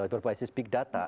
berbual di sosial media